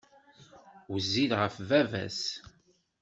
Wezzil ɣef baba-s.